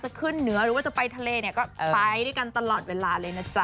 ขึ้นเหนือหรือว่าจะไปทะเลเนี่ยก็ไปด้วยกันตลอดเวลาเลยนะจ๊